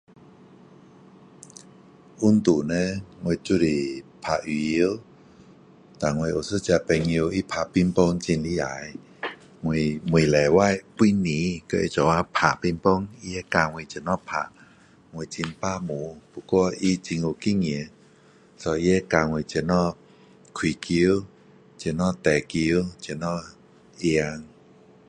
运动呢，我就是打羽球。那我有一个朋友他打乒乓很厉害。我每礼拜，拜二和他一起打兵乓。他会教我怎样打。我很笨拙，不过他很有经验，so 他会教我怎么开球，怎么顶球，怎么赢。